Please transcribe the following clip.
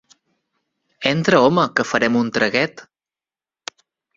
Entra, home, que farem un traguet.